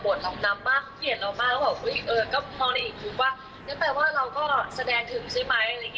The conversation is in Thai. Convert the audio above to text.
ก็เห็นเรามาแล้วก็เห็นว่านึกไปว่าเราก็แสดงถึงใช่ไหม